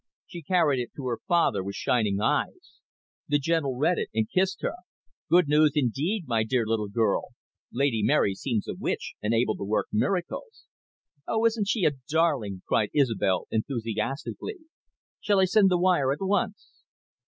She carried it to her father with shining eyes. The General read it, and kissed her. "Good news, indeed, my dear little girl. Lady Mary seems a witch, and able to work miracles." "Oh, isn't she a darling?" cried Isobel enthusiastically. "Shall I send the wire at once?"